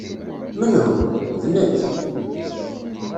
Menhu?" "D nekk.